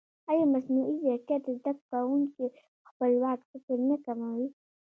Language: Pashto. ایا مصنوعي ځیرکتیا د زده کوونکي خپلواک فکر نه کموي؟